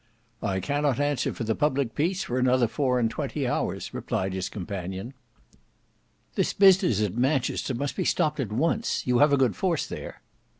"I cannot answer for the public peace for another four and twenty hours," replied his companion. "This business at Manchester must be stopped at once; you have a good force there?"